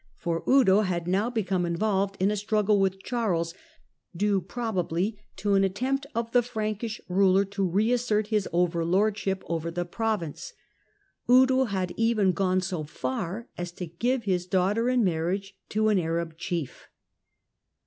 For Eudo had now become involved in a truggle with Charles, due probably to an attempt of he Frankish ruler to reassert his overlordship over he province. Eudo had even gone so far as to give lis daughter in marriage to an Arab chief.